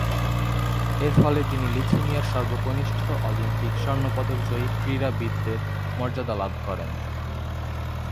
এরফলে তিনি লিথুয়ানিয়ার সর্বকনিষ্ঠ অলিম্পিক স্বর্ণপদক জয়ী ক্রীড়াবিদের মর্যাদা লাভ করেন।